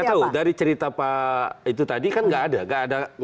kita tahu dari cerita pak itu tadi kan nggak ada